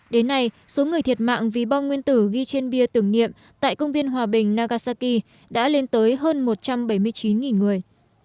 đến nay số người thiệt mạng vì bom nguyên tử ghi trên bia tưởng niệm tại công viên hòa bình nagasaki đã lên tới hơn một trăm bảy mươi chín người